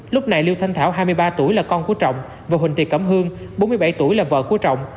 lúc này lưu thanh thảo hai mươi ba tuổi là con của trọng và huỳnh thị cẩm hương bốn mươi bảy tuổi là vợ của trọng